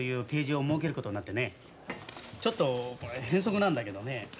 ちょっとこれ変則なんだけどね